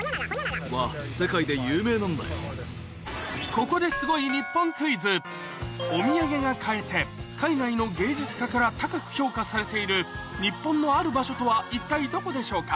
ここでお土産が買えて海外の芸術家から高く評価されている日本のある場所とは一体どこでしょうか？